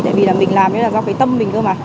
tại vì là mình làm do cái tâm mình thôi mà